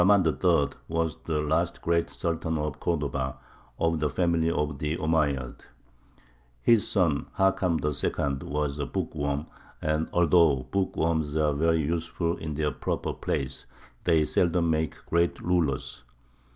_)] Abd er Rahmān III. was the last great Sultan of Cordova, of the family of the Omeyyads. His son, Hakam II., was a bookworm, and although bookworms are very useful in their proper place, they seldom make great rulers.